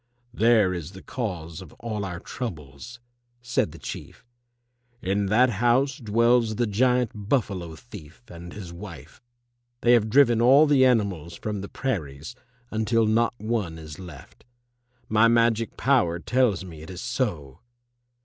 "There is the cause of all our troubles," said the Chief. "In that house dwells the giant Buffalo thief and his wife. They have driven all the animals from the prairies until not one is left. My magic power tells me it is so!"